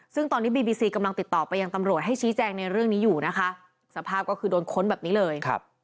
ซึ่งตอนนี้บีบีซีกำลังติดต่อไปยังตำรวจให้ชี้แจงในเรื่องนี้อยู่นะคะสภาพก็คือโดนค้นแบบนี้เลย